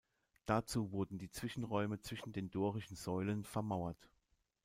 Dazu wurden die Zwischenräume zwischen den dorischen Säulen vermauert.